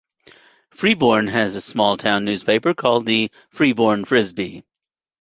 Freeborn has a small town newspaper called the "Freeborn Frisbee".